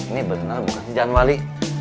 ini bener bukan jalan wali